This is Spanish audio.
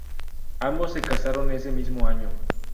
Ambos se casaron ese mismo año.